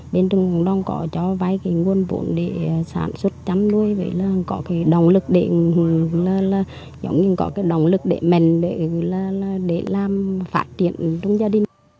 bên đông có vài nguồn vốn để sản xuất chấm nuôi có động lực để mạnh để làm phát triển trong gia đình